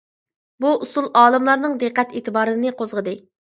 بۇ ئۇسۇل ئالىملارنىڭ دىققەت ئېتىبارىنى قوزغىدى.